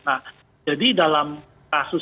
nah jadi dalam kasus